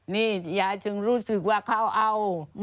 นี่ยายจึงรู้สึกว่าเขาเอา